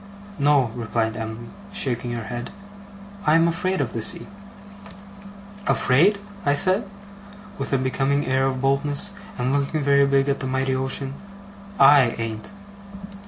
'No,' replied Em'ly, shaking her head, 'I'm afraid of the sea.' 'Afraid!' I said, with a becoming air of boldness, and looking very big at the mighty ocean. 'I an't!